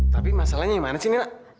tapi masalahnya yang mana sih nina